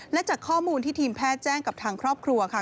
และจากข้อมูลที่ทีมแพทย์แจ้งกับทางครอบครัวค่ะ